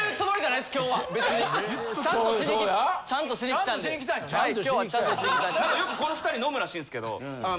なんかよくこの２人飲むらしいですけど。